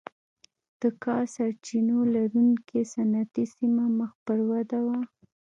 د کا سرچینو لرونکې صنعتي سیمه مخ پر وده وه.